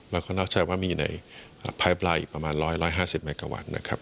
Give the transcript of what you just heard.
แล้วเขานักใช้ว่ามีในไพป์ไลน์ประมาณ๑๐๐๑๕๐เมกาวัตต์นะครับ